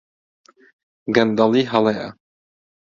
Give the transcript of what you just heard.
گەندەڵی هەڵەیە.